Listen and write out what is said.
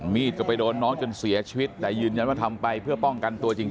มีดก็ไปโดนน้องจนเสียชีวิตแต่ยืนยันว่าทำไปเพื่อป้องกันตัวจริง